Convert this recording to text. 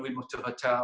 kita berpindah ke hotel